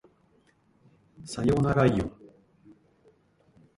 さよならいおん